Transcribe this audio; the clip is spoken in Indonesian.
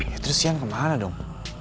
ya terus siang kemana dong